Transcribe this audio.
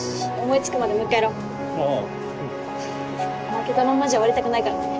負けたまんまじゃ終わりたくないからね。